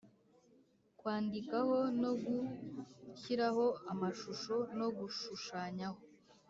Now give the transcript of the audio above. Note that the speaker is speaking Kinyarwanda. Kwandikaho nogushyiraho amashusho no gushushanyaho